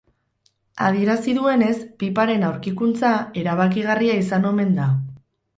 Adierazi duenez, piparen aurkikuntza erabakigarria izan omen da.